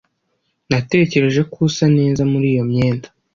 Natekereje ko usa neza muri iyo myenda.